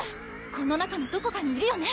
この中のどこかにいるよね